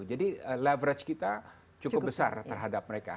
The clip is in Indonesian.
jadi leverage kita cukup besar terhadap mereka